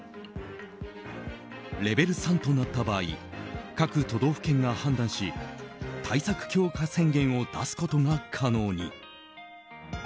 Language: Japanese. レベル３となった場合各都道府県が判断し対策強化宣言を出すことが可能に。